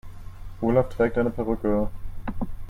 Olaf trägt eine Perücke.